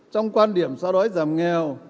trong quan điểm so đói giảm nghèo